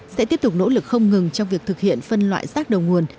sẽ tiếp tục nỗ lực không ngừng trong việc thực hiện phân loại rác đầu nguồn